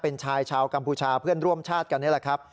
เป็นชายชาวกัมพูชาเพื่อนร่วมชาติกันนี่แหละครับ